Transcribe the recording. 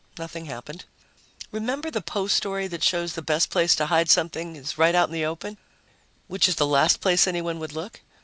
Nothing happened. Remember the Poe story that shows the best place to hide something is right out in the open, which is the last place anyone would look?